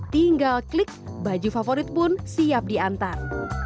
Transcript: tinggal klik baju favorit pun siap diantar